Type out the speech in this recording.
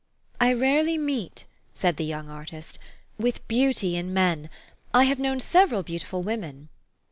"I rarely meet," said the young artist, "with beauty in men. I have known several beautiful women."